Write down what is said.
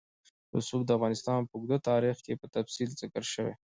رسوب د افغانستان په اوږده تاریخ کې په تفصیل ذکر شوی.